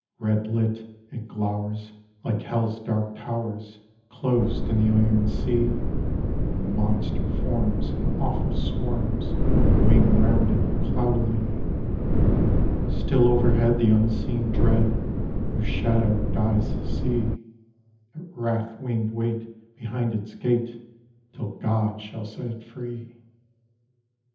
Red lit it glowers, like Hell's dark towers, Closed in the iron sea; And monster forms in awful swarms Wing round it cloudily. Still overhead the unseen dread, Whose shadow dyes the sea, At wrath winged wait behind its gate Till God shall set it free.